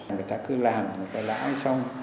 người ta cứ làm người ta lãi xong